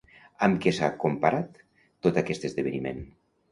Amb què s'ha comparat tot aquest esdeveniment?